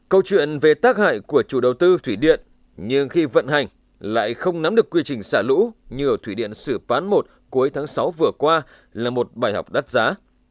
câu chuyện về tác hại của chủ đầu tư thủy điện nhưng khi vận hành lại không nắm được quy trình xả lũ như ở thủy điện sử bán một cuối tháng sáu vừa qua là một bài học đắt giá